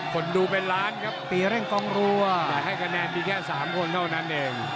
คนดูเป็นล้านครับตีเร่งกองรัวแต่ให้คะแนนมีแค่๓คนเท่านั้นเอง